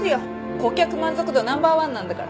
顧客満足度ナンバー１なんだから。